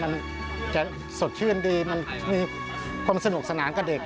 มันจะสดชื่นดีมันมีความสนุกสนานกับเด็ก